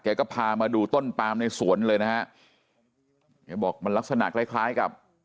ก็พามาดูต้นปามในสวนเลยนะฮะแกบอกมันลักษณะคล้ายคล้ายกับ